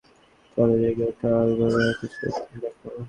চলো, জেগে উঠো, আবালেরা কিছু উদ্যম দেখাও!